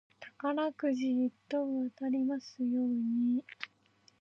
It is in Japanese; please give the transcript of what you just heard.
宝くじ一等当たりますように。